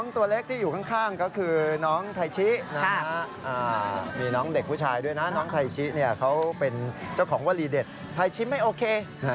ไทยชี้มีน้องเด็กผู้ชายด้วยนะน้องไทยชี้เขาเป็นเจ้าของวรีเด็ดไทยชี้ไม่โอเค